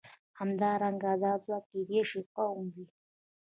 همدارنګه دا ځواک کېدای شي قوم وي.